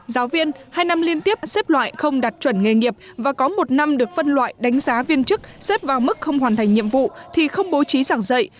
giáo viên hai năm liên tiếp xếp loại không đạt chuẩn nghề nghiệp và có một năm được phân loại đánh giá viên chức xếp vào mức không hoàn thành nhiệm vụ thì không bố trí giảng dạy